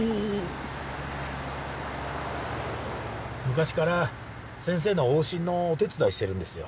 昔から先生の往診のお手伝いしてるんですよ。